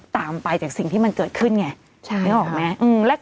ตามไปจากสิ่งที่มันเกิดขึ้นไงนึกออกไหม